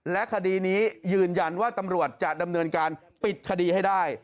และคดีนี้ยืนยันว่าตำรวจจะดำเนินการปิดคดีให้ได้